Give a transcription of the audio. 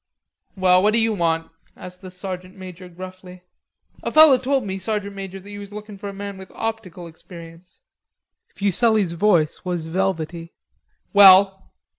"Well what do you want?" asked the sergeant major gruffly. "A feller told me, Sergeant Major, that you was look in' for a man with optical experience;" Fuselli's voice was velvety. "Well?"